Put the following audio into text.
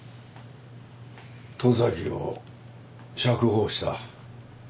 十崎を釈放した。